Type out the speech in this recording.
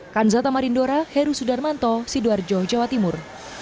kanzata marindora heru sudarmanto sidoarjo jawa timur